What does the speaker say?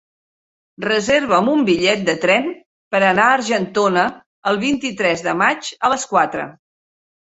Reserva'm un bitllet de tren per anar a Argentona el vint-i-tres de maig a les quatre.